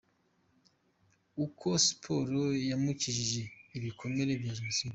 Uko Siporo yamukijije ibikomere bya Jenoside.